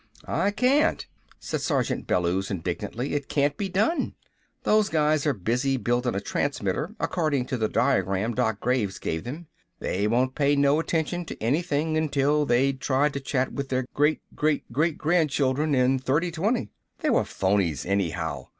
"I can't," said Sergeant Bellews indignantly. "It can't be done. Those guys are busy buildin' a transmitter according to the diagram Doc Graves gave them. They won't pay no attention to anything until they'd tried to chat with their great great great grand children in 3020. They were phonys, anyhow!